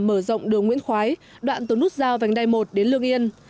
mở rộng đường nguyễn khói đoạn tổ nút giao vành đai một đến lương yên